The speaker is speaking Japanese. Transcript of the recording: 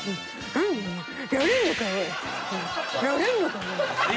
「やれんのかオイ！」